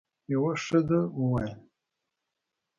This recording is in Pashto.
یوه ښځه وویل: